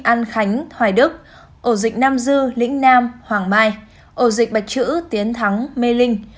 an khánh hoài đức ổ dịch nam dư lĩnh nam hoàng mai ổ dịch bạch chữ tiến thắng mê linh